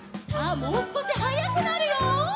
もうすこしはやくなるよ。